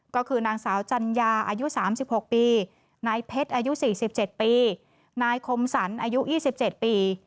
ก็คือนางสาวจัญญาอายุ๓๖ปีนายเพชรอายุ๔๗ปีนายคมสรรอายุ๒๗ปี